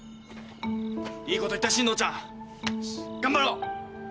いいこと言った進藤ちゃん。よし頑張ろう。